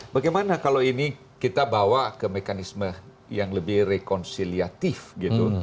bagaimana kalau ini kita bawa ke mekanisme yang lebih rekonsiliatif gitu